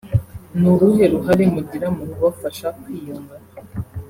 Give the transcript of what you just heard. Ni uruhe ruhare mugira mu kubafasha kwiyunga